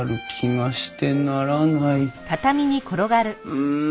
うん！